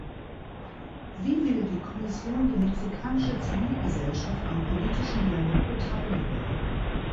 Wie will die Kommission die mexikanische Zivilgesellschaft am politischen Dialog beteiligen?